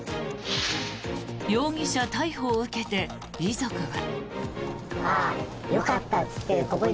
容疑者逮捕を受けて遺族は。